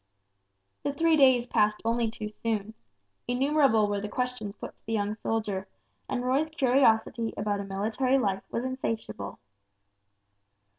The three days passed only too soon. Innumerable were the questions put to the young soldier, and Roy's curiosity about a military life was insatiable.